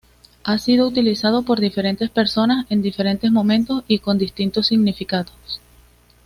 Ha sido utilizado por diferentes personas, en diferentes momentos y con distintos significados.